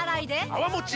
泡もち